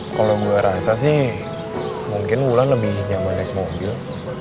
kalau gue rasa sih mungkin bulan lebih nyaman naik mobil